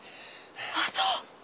ああそう。